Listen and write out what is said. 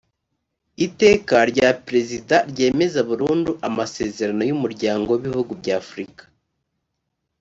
iteka rya perezida ryemeza burundu amasezerano y umuryango w ibihugu by afurika